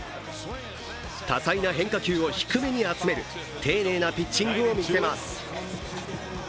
多彩な変化球を低めに集める丁寧なピッチングを見せます。